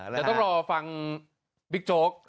เดี๋ยวต้องรอฟังบิ๊กโจ๊ก